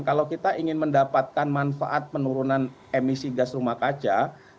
kalau kita ingin mendapatkan manfaat penurunan emisi gas rumah kaca